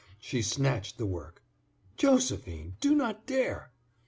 She snatched the work. "Josephine, do not dare!"